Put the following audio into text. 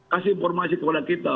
kasih informasi kepada kita